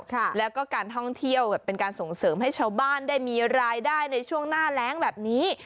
ค่ะแล้วก็การท่องเที่ยวแบบเป็นการส่งเสริมให้ชาวบ้านได้มีรายได้ในช่วงหน้าแรงแบบนี้